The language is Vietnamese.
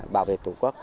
bảo vệ tổ quốc